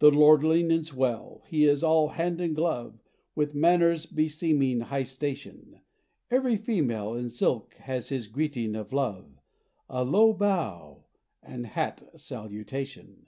To lordling and swell, he is all "hand in glove," With manners beseeming high station; Every female in silk has his greeting of love, And low bow and hat salutation.